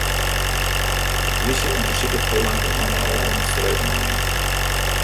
De plysje ûndersiket hoe lang de mannen al oan it streupen wiene.